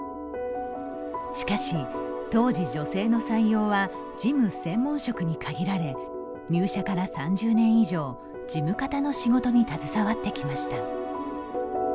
しかし、当時女性の採用は事務専門職に限られ入社から３０年以上事務方の仕事に携わってきました。